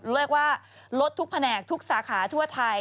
เรียกว่าลดทุกแผนกทุกสาขาทั่วไทย